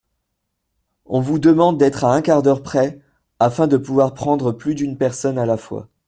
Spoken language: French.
On vous demande d’être à un quart d’heure près afin de pouvoir prendre plus d’une personne à la fois.